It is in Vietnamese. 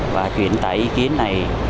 và chuyển tải ý kiến này